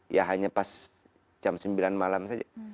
ya hanya pas jam sembilan malam saja